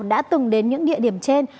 đã từng đến những địa điểm trên